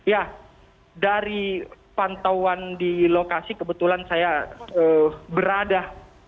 ya dari pantauan di lokasi kebetulan saya berada